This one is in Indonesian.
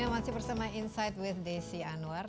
masih bersama insight with desi anwar